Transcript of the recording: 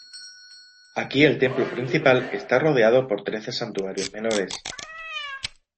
Aquí el templo principal, está rodeado por trece santuarios menores.